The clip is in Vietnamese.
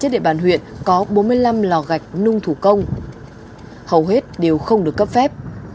năm lò gạch nung thủ công hầu hết đều không được cấp phép